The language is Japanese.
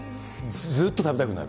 ずっと食べたくなる。